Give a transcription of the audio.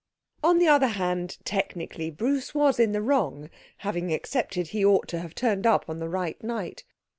On the other hand, technically, Bruce was in the wrong. Having accepted he ought to have turned up on the right night.